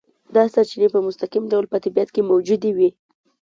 دا سرچینې په مستقیم ډول په طبیعت کې موجودې وي.